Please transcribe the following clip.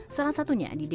salah satunya di desa